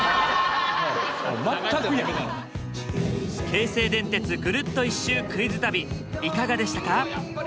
京成電鉄ぐるっと１周クイズ旅いかがでしたか？